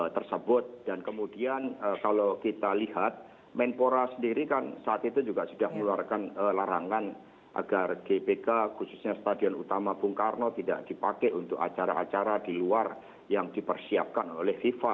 tersebut dan kemudian kalau kita lihat menpora sendiri kan saat itu juga sudah mengeluarkan larangan agar gbk khususnya stadion utama bung karno tidak dipakai untuk acara acara di luar yang dipersiapkan oleh fifa